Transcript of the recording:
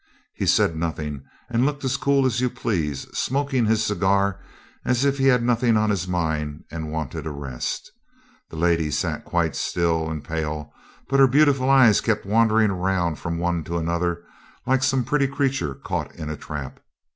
He said nothing, and looked as cool as you please, smoking his cigar as if he had nothing on his mind and wanted a rest. The lady sat quite still and pale, but her beautiful eyes kept wandering round from one to another, like some pretty creature caught in a trap.